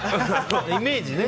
イメージね。